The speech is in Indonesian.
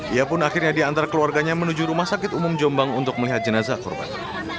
ia pun akhirnya diantar keluarganya menuju rumah sakit umum jombang untuk melihat jenazah korban